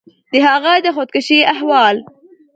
د هغه د خودکشي احوال